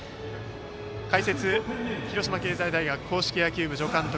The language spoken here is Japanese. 解説、広島経済大学硬式野球部助監督